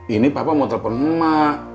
ini papa mau telepon emak